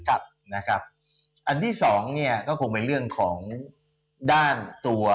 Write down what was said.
กับนะครับอันที่สองเนี่ยก็คงมีเรื่องของด้านตัว